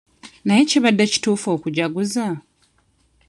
Naye kibadde kituufu okujaguza?